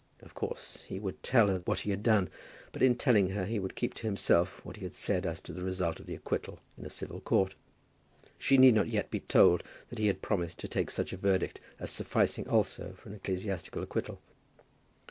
Of course he would tell her what he had done; but in telling her he would keep to himself what he had said as to the result of an acquittal in a civil court. She need not yet be told that he had promised to take such a verdict as sufficing also for an ecclesiastical acquittal.